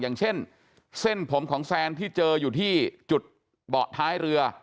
อย่างเช่นเส้นผมของแซนที่เจออยู่ที่จุดเบาะท้ายเรือ